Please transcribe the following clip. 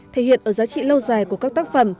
thể hiện ở giá trị lâu dài của các tác phẩm